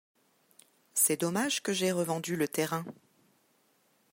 C’est dommage que j’aie revendu le terrain.